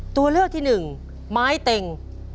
ตัวเลือกที่หนึ่งไม้เต็ง